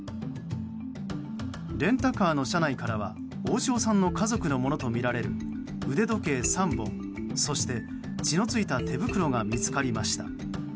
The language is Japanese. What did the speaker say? レンタカーの車内からは大塩さんの家族のものとみられる腕時計３本そして、血の付いた手袋が見つかりました。